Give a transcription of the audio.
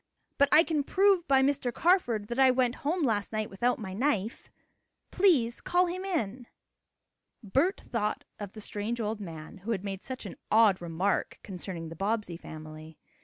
But I can prove by Mr. Carford that I went home last night without my knife. Please call him in." Bert thought of the strange old man, who had made such an odd remark concerning the Bobbsey family.